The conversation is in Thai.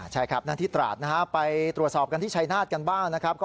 ใช่ครับนันทีตราดไปตรวจสอบกันที่ชัยนาฏกันบ้าง